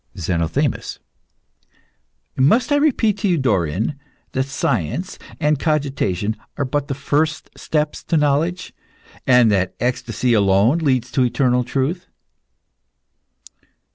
ZENOTHEMIS. Must I repeat to you, Dorion, that science and cogitation are but the first steps to knowledge, and that ecstasy alone leads to eternal truth?